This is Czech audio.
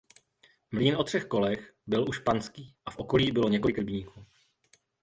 Mlýn o třech kolech byl už panský a v okolí bylo několik rybníků.